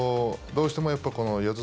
どうしてもやっぱり四つ